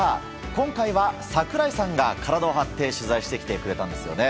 今回は、櫻井さんが体を張って取材してきてくれたんですよね。